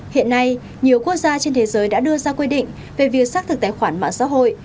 hiện nay nhiều quốc gia trên thế giới đã đưa ra quy định về việc xác thực tài khoản mạng xã hội